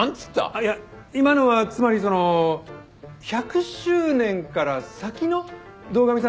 いや今のはつまりその１００周年から先の堂上さんがどうなるか楽しみだと。